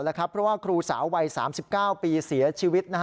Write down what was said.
เพราะว่าครูสาววัย๓๙ปีเสียชีวิต